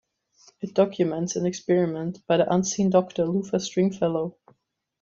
It documents an experiment by the unseen Doctor Luther Stringfellow.